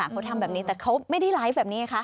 เขาทำแบบนี้แต่เขาไม่ได้ไลฟ์แบบนี้ไงคะ